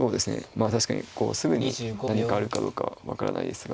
まあ確かにこうすぐに何かあるかどうかは分からないですが。